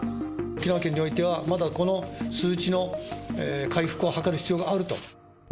沖縄県においては、まだこの数値の回復を図る必要があると。